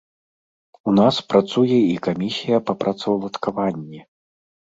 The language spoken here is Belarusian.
У нас працуе і камісія па працаўладкаванні.